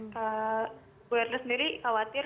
bu r p sendiri khawatir